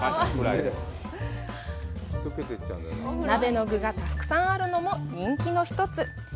鍋の具がたくさんあるのも人気の一つ。